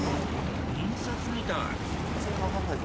印刷みたい！